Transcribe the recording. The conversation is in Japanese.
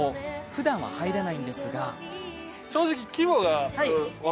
ふだんは入れないんですが。